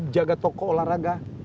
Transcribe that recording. jaga toko olahraga